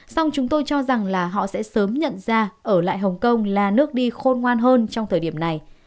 xong chúng tôi cho rằng là họ sẽ sớm nhận ra ở lại hồng kông là nước đi khôn ngoan hơn trong thời điểm này